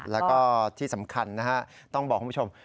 แล้วก็ที่สำคัญนะฮะต้องบอกคุณผู้ชม